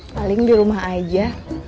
paling di rumah aja